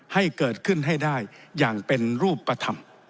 ให้เกิดขึ้นให้ได้อย่างเป็นรูปธรรม